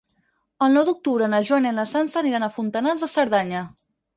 El nou d'octubre na Joana i na Sança aniran a Fontanals de Cerdanya.